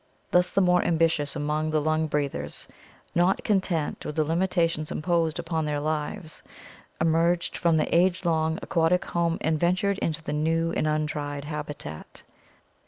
Thus the more ambi tious among the lung breathers, not content with the limitations EMERGENCE OF TERRESTRIAL VERTEBRATES 487 imposed upon their lives, emerged from the age long aquatic home and ventured into the new and untried habitat.